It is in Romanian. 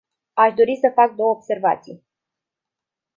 Aș dori să fac două observații.